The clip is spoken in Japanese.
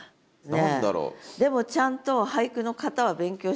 何だろう？